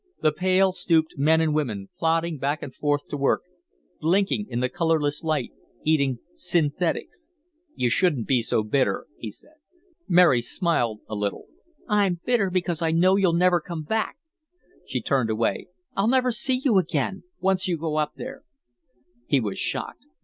The pale, stooped men and women, plodding back and forth to work, blinking in the colorless light, eating synthetics "You shouldn't be so bitter," he said. Mary smiled a little. "I'm bitter because I know you'll never come back." She turned away. "I'll never see you again, once you go up there." He was shocked.